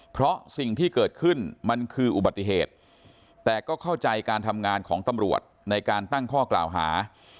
เพราะสิ่งที่เกิดขึ้นมันคืออุบัติเหตุแต่ก็เข้าใจการทำงานของตำรวจในการตั้งข้อกล่าวหา